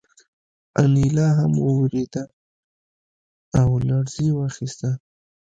انیلا هم وورېده او لړزې واخیسته